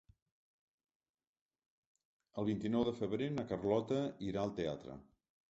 El vint-i-nou de febrer na Carlota irà al teatre.